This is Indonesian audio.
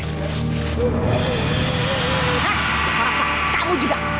hah rasa kamu juga